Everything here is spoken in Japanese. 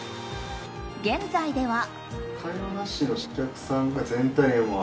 現在では。